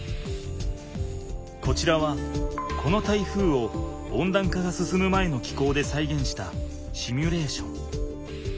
こちらはこの台風を温暖化が進む前の気候でさいげんしたシミュレーション。